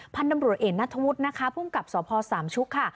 พันธุ์ตำรวจเอกนัทธวุฒินะคะภูมิกับสพสามชุกค่ะ